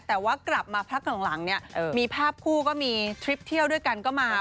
แต่ว่ากลับมาพักหลังเนี่ยมีภาพคู่ก็มีทริปเที่ยวด้วยกันก็มา